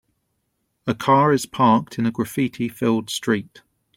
A car is parked in a graffiti filled street.